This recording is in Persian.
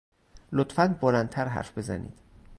لطفا بلندتر حرف بزنید.